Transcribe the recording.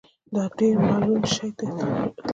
یا ډېر ملعون شي ته اطلاقېږي.